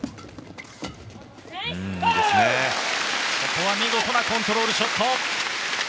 ここは見事なコントロールショット！